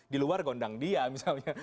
di luar gondang dia misalnya